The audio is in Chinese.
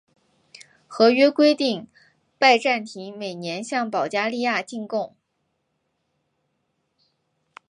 合约规定拜占庭每年向保加利亚进贡。